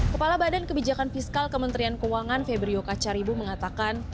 kepala badan kebijakan fiskal kementerian keuangan febrio kacaribu mengatakan